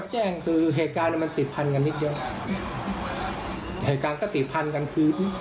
เหตุการณ์ก็ติดพันธุ์กันคือ